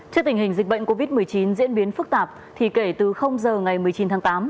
trước tình hình dịch bệnh covid một mươi chín diễn biến phức tạp thì kể từ giờ ngày một mươi chín tháng tám